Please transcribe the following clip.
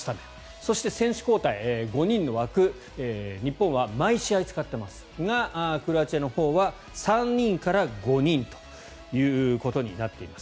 そして選手交代、５人の枠日本は毎試合、使ってますがクロアチアのほうは３人から５人ということになっています。